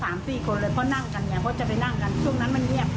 เพราะนั่งกันเนี่ยเพราะจะไปนั่งกัน